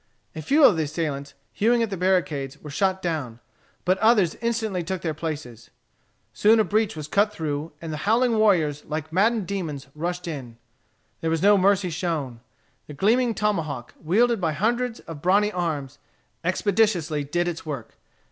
A few of the assailants hewing at the barricades were shot down, but others instantly took their places. Soon a breach was cut through, and the howling warriors like maddened demons rushed in. There was no mercy shown. The gleaming tomahawk, wielded by hundreds of brawny arms, expeditiously did its work.